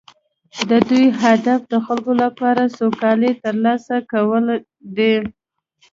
د دوی هدف د خلکو لپاره سوکالي ترلاسه کول دي